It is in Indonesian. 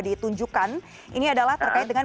ditunjukkan ini adalah terkait dengan